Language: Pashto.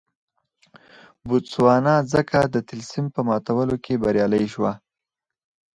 بوتسوانا ځکه د طلسم په ماتولو کې بریالۍ شوه.